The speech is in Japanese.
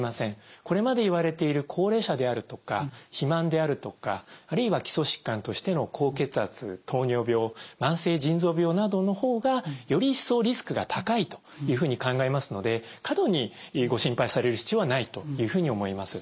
これまでいわれている高齢者であるとか肥満であるとかあるいは基礎疾患としての高血圧糖尿病慢性腎臓病などの方がより一層リスクが高いというふうに考えますので過度にご心配される必要はないというふうに思います。